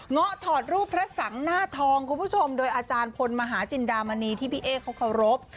้อถอดรูปพระสังหน้าทองคุณผู้ชมโดยอาจารย์พลมหาจินดามณีที่พี่เอ๊เขาเคารพ